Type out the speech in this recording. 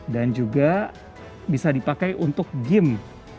dan juga bisa dipakai untuk game